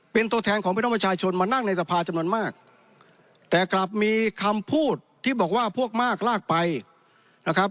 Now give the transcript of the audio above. เป็นตัวแทนของพี่น้องประชาชนมานั่งในสภาจำนวนมากแต่กลับมีคำพูดที่บอกว่าพวกมากลากไปนะครับ